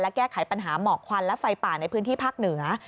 แก้ไขปัญหาหมอกควันและไฟป่าในพื้นที่ภาคเหนือ